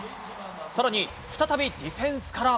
さらに、再びディフェンスから。